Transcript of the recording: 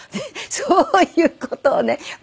そういう事をね。